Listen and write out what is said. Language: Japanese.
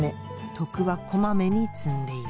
徳は小まめに積んでいる。